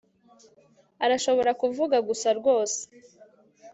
Arashobora kuvuga gusa rwose